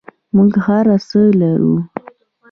موږ هر څه لرو